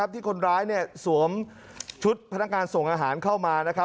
ที่คนร้ายสวมชุดพนักงานส่งอาหารเข้ามา